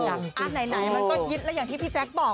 อันไหนมันก็ยิ้ดและอย่างที่พี่แจ๊คบอก